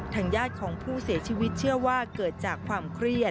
ญาติของผู้เสียชีวิตเชื่อว่าเกิดจากความเครียด